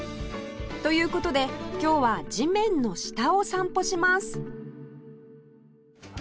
という事で今日は地面の下を散歩します